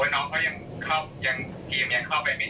ว่าน้องเขายังเข้ายังทีมยังเข้าไปไม่ถึงเลย